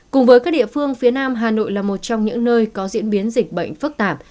cùng với các địa phương phía nam hà nội là một trong những nơi có diễn biến dịch bệnh phức tạp